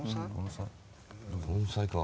盆栽か。